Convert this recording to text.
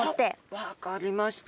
分かりました。